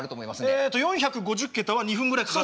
えっと４５０桁は２分くらいかかる。